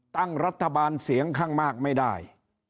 ตั้งรัฐบาลเสียงข้างมากไม่ได้